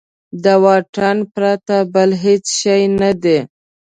د واټن پرته بل هېڅ شی نه دی.